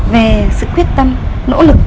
về sự quyết tâm nỗ lực